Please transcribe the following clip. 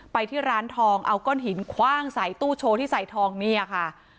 ไปที่ร้านทองเอาก้อนหินคว่างใส่ตู้โชว์ที่ใส่ทองเนี่ยค่ะ